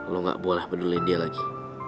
lo gak boleh peduli dia lagi